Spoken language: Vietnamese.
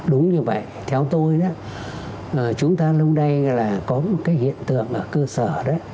đúng như vậy theo tôi chúng ta lúc đây có một hiện tượng ở cơ sở